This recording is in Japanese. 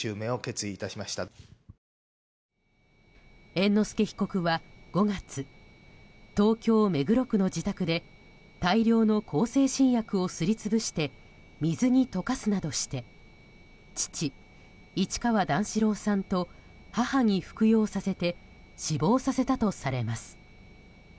猿之助被告は５月東京・目黒区の自宅で大量の向精神薬をすり潰して水に溶かすなどして父・市川段四郎さんと母に服用させて死亡させたとされます。